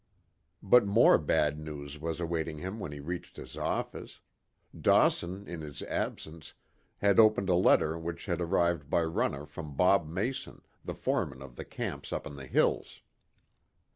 But more bad news was awaiting him when he reached his office. Dawson, in his absence, had opened a letter which had arrived by runner from Bob Mason, the foreman of the camps up in the hills.